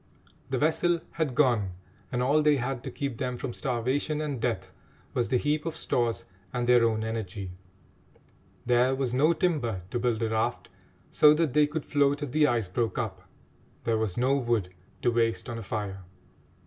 The vessel had gone, and all they had to keep them from starvation and death was the heap of stores and their own energy. There was no timber to build a raft, so that they could float if the ice broke up; there was no wood to waste on a fire.